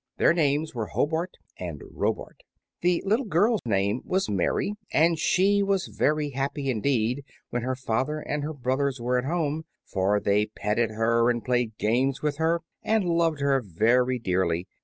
Their names were Hobart and Robart. The little girl's name was Mary, and she was very happy indeed when her father and her brothers were at home, for they petted her and played games with, her and loved her very dearly.